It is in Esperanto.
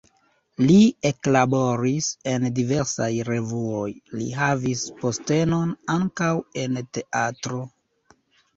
Li eklaboris en diversaj revuoj, li havis postenon ankaŭ en teatro.